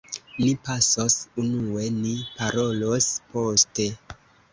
Ni pasos unue; ni parolos poste.